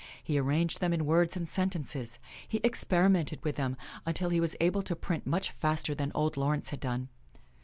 He arranged them in words and sentences. He experi mented with them until he was able to print much faster than old Laurence had done.